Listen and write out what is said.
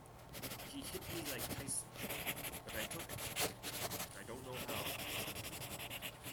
He hit me like Tyson, but I took it - I don't know how.